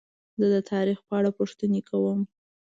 زه د تاریخ په اړه پوښتنې کوم.